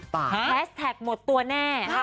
แฮสแท็กหมดตัวแน่